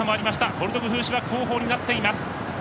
ボルドグフーシュは後方になっています。